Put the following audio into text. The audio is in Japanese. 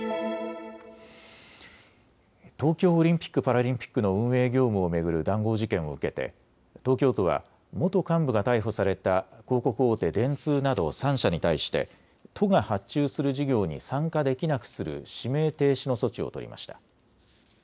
東京オリンピック・パラリンピックの運営業務を巡る談合事件を受けて東京都は元幹部が逮捕された広告大手、電通など３社に対して都が発注する事業に参加できなくする指名停止の措置を取りました。